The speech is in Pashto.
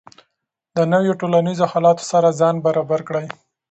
د نویو ټولنیزو حالاتو سره ځان برابر کړئ.